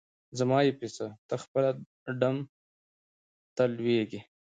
زما یی په څه؟ ته خپله ډم ته لویږي.